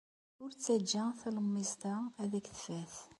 Ur ttajja talemmiẓt-a ad k-tfat.